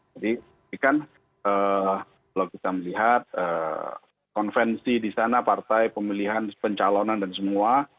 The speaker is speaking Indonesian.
jadi kan kalau kita melihat konvensi di sana partai pemilihan pencalonan dan semua